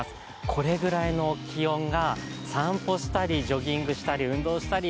これぐらいの気温が散歩したり、ジョギングしたり、運動したり、